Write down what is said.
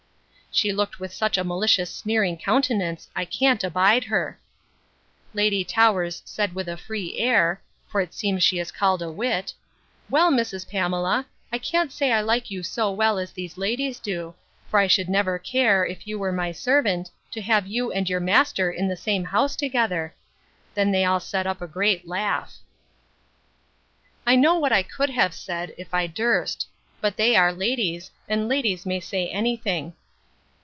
She looked with such a malicious sneering countenance, I can't abide her. Lady Towers said with a free air, (for it seems she is called a wit,) Well, Mrs. Pamela, I can't say I like you so well as these ladies do; for I should never care, if you were my servant, to have you and your master in the same house together. Then they all set up a great laugh. I know what I could have said, if I durst. But they are ladies—and ladies may say any thing.